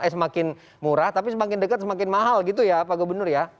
semakin murah tapi semakin dekat semakin mahal gitu ya pak gubernur ya